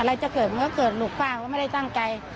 จะเกิดมันก็เกิดลูกป้าก็ไม่ได้ตั้งใจ